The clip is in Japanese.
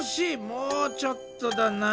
もうちょっとだな。